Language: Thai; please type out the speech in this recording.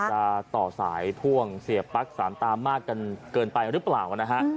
จะต่อสายพ่วงเสียบปลั๊ก๓ตามมากเกินไปหรือเปล่านะคะ